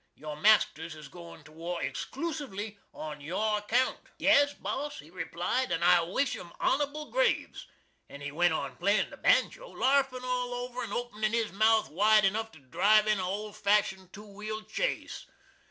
Your masters is goin to war excloosively on your account." "Yes, boss," he replied, "an' I wish 'em honorable graves!" and he went on playin the banjo, larfin all over and openin his mouth wide enuff to drive in an old fashioned 2 wheeled chaise.